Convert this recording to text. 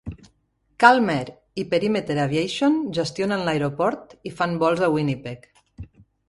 Calm Air i Perimeter Aviation gestionen l'aeroport i fan vols a Winnipeg.